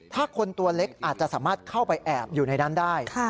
ถ้าคนตัวเล็กอาจจะสามารถเข้าไปแอบอยู่ในนั้นได้